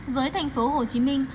với thành phố hồ chí minh